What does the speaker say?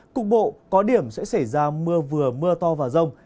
cục bộ có điểm sẽ xảy ra mưa vừa mưa to và rông